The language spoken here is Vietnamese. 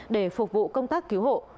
để phục vụ công tác cứu hộ